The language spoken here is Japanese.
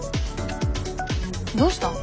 どうしたん？